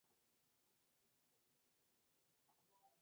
La leucopenia obliga en ocasiones a interrumpir el tratamiento.